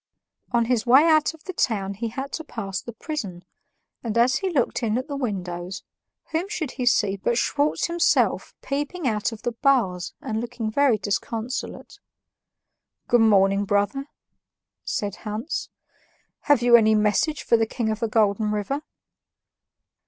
On his way out of the town he had to pass the prison, and as he looked in at the windows, whom should he see but Schwartz himself peeping out of the bars and looking very disconsolate. "Good morning, brother," said Hans; "have you any message for the King of the Golden River?"